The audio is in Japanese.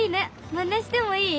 まねしてもいい？